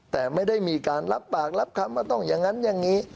แต่ไม่ได้มีการรับปากรับคำว่าต้องอย่างนั้นอย่างนี้